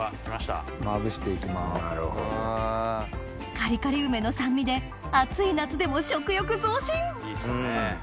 カリカリ梅の酸味で暑い夏でも食欲増進いいっすね。